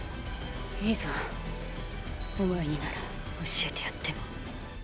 いいぞお前になら教えてやっても。